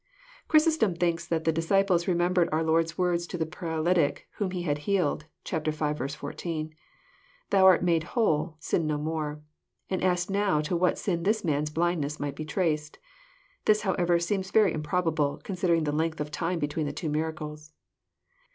Chrysostom thinks that the disciples remembered our Lord's words to the paralytic whom He healed (chap. v. 14) :Thou art made whole ; sin no more ;" and asked now to what sin this man's blindness might be traced. This, however, seems very improbable, considering the length of time between the two miracles.